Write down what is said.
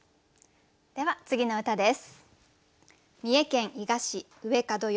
では次の歌です。